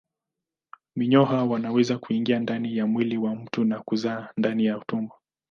Minyoo hao wanaweza kuingia ndani ya mwili wa mtu na kuzaa ndani ya utumbo.